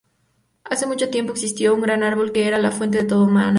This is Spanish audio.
Hace mucho tiempo existió un gran árbol que era la fuente de todo maná.